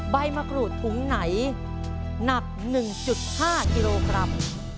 ใบมะกรูดถุงไหนหนัก๑๕กิโลกรัม